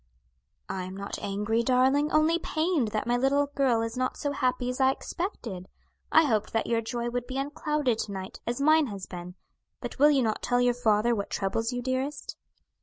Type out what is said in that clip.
"I am not angry, darling; only pained that my little girl is not so happy as I expected. I hoped that your joy would be unclouded to night, as mine has been; but will you not tell your father what troubles you, dearest?"